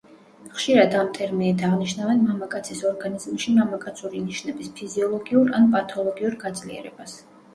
ხშირად ამ ტერმინით აღნიშნავენ მამაკაცის ორგანიზმში მამაკაცური ნიშნების ფიზიოლოგიურ ან პათოლოგიურ გაძლიერებას.